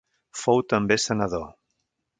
Fou també senador.